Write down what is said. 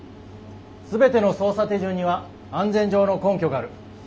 全ての操作手順には安全上の根拠がある。